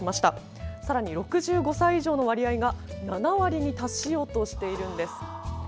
さらに６５歳以上の割合が７割に達しようとしています。